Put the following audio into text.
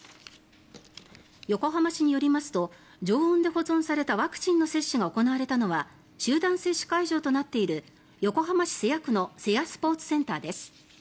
横浜市によりますと常温で保存されたワクチンの接種が行われたのは集団接種会場となっている横浜市瀬谷区の瀬谷スポーツセンターです。